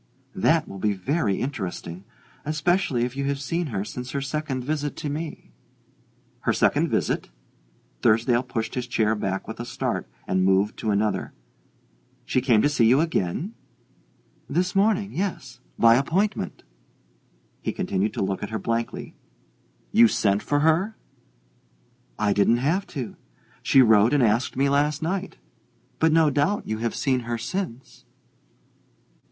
"That will be very interesting especially if you have seen her since her second visit to me." "Her second visit?" Thursdale pushed his chair back with a start and moved to another. "She came to see you again?" "This morning, yes by appointment." He continued to look at her blankly. "You sent for her?" "I didn't have to she wrote and asked me last night. But no doubt you have seen her since."